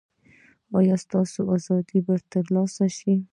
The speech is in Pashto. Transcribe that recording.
ایا ستاسو ازادي به ترلاسه شي؟